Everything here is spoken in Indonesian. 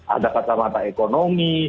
ada kacamata ekonomi